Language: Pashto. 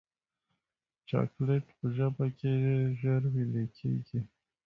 چاکلېټ په ژبه کې ژر ویلې کېږي.